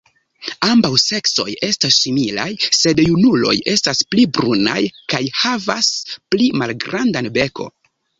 Ambaŭ seksoj estas similaj, sed junuloj estas pli brunaj kaj havas pli malgrandan beko.